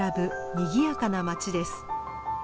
にぎやかな町です。